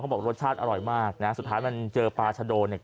บอกรสชาติอร่อยมากนะสุดท้ายมันเจอปลาชะโดเนี่ย